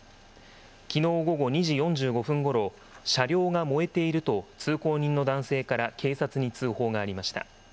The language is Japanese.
きのう午後２時４５分ごろ、車両が燃えていると、通行人の男性から警察に通報がありました。